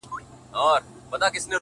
خو له تربوره څخه پور” په سړي خوله لگوي”